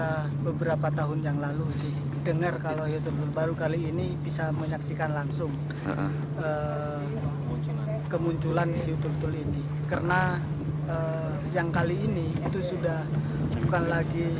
hanya lima empat tapi puluhan hiu tutulnya yang muncul